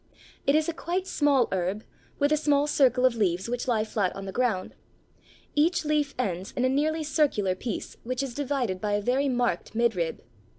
It is a quite small herb with a small circle of leaves which lie flat on the ground. Each leaf ends in a nearly circular piece which is divided by a very marked midrib.